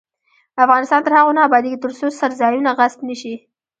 افغانستان تر هغو نه ابادیږي، ترڅو څرځایونه غصب نشي.